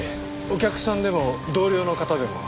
お客さんでも同僚の方でも。